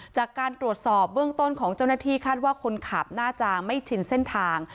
จากการตรวจสอบเบื้องต้นของเจ้าหน้าที่คาดว่าคนขับน่าจะไม่ชินเส้นทาง